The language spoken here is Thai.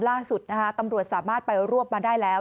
ล่าสุดนะฮะตำรวจสามารถไปรวบมาได้แล้ว